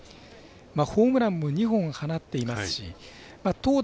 ホームランも２本放っていますし投打